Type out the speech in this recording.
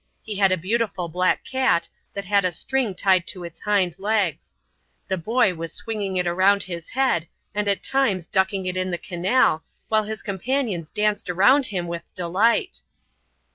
He had a beautiful black cat, that had a string tied to its hind legs. The boy was swinging it around his head and at times ducking it in the canal while his companions danced around him with delight.